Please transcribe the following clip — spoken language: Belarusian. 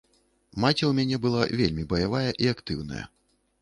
Маці ў мяне была вельмі баявая і актыўная.